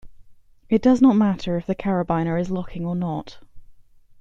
It does not matter if the carabiner is locking or not.